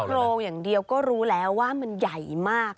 โรงอย่างเดียวก็รู้แล้วว่ามันใหญ่มาก